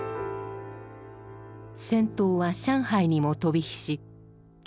戦闘は上海にも飛び火し急遽